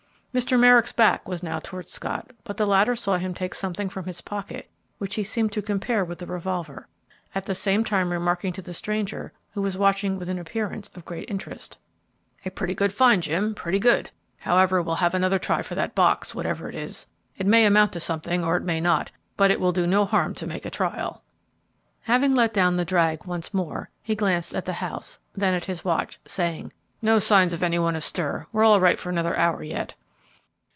Mr. Merrick's back was now towards Scott, but the latter saw him take something from his pocket which he seemed to compare with the revolver, at the same time remarking to the stranger, who was watching with an appearance of great interest, "A pretty good find, Jim, pretty good! However, we'll have another try for that box, whatever it is. It may amount to something or it may not, but it will do no harm to make a trial." Having let down the drag once more, he glanced at the house, then at his watch, saying, "No signs of any one astir; we're all right for another hour yet."